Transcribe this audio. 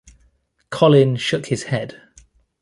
Colin shook his head.